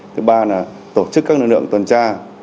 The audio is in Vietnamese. thứ ba là tổ chức các lực lượng tuần tra